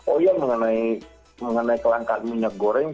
oh iya mengenai kelangkaan minyak goreng